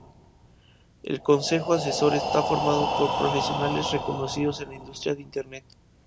El Consejo Asesor está formado por profesionales reconocidos en la industria de Internet.